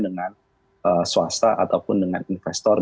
dengan swasta ataupun dengan investor